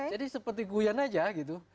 jadi seperti guyana aja gitu